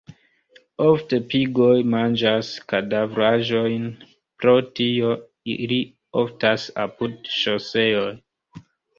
Ofte pigoj manĝas kadavraĵojn; pro tio ili oftas apud ŝoseoj.